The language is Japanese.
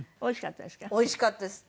おいしかったですか？